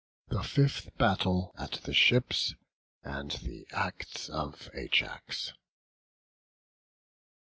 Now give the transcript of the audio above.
THE FIFTH BATTLE, AT THE SHIPS; AND THE ACTS OF AJAX.